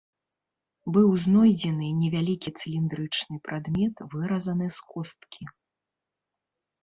Быў знойдзены невялікі цыліндрычны прадмет, выразаны з косткі.